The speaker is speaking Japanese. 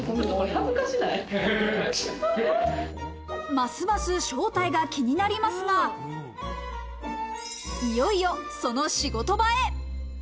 ますます正体が気になりますが、いよいよその仕事場へ。